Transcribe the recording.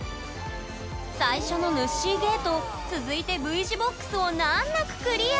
最初のぬっしーゲート続いてＶ字ボックスを難なくクリア！